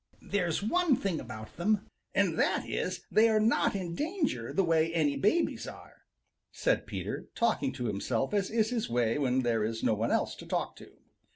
"There's one thing about them, and that is they are not in danger the way any babies are," said Peter, talking to himself as is his way when there is no one else to talk to.